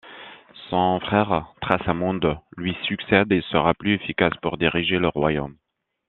Son frère Thrasamund lui succède et sera plus efficace pour diriger le royaume.